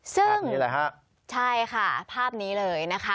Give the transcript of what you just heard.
ซึ่งใช่ค่ะภาพนี้เลยนะคะ